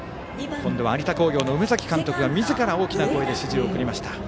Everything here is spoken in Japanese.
有田工業の梅崎監督がみずから大きな声で指示を送りました。